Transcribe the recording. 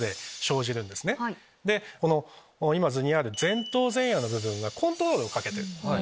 今図にある前頭前野の部分がコントロールをかけている。